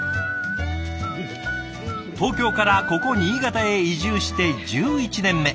東京からここ新潟へ移住して１１年目。